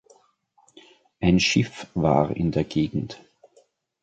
Ein Schiff war in der Gegend.